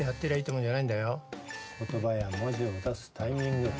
言葉や文字を出すタイミング。